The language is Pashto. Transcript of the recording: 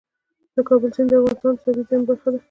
د کابل سیند د افغانستان د طبیعي زیرمو برخه ده.